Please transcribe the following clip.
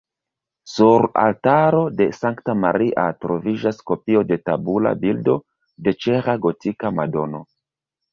Sur altaro de Sankta Maria troviĝas kopio de tabula bildo de ĉeĥa gotika Madono.